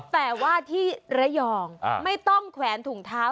แต่ว่าที่ระยองไม่ต้องแขวนถุงเท้า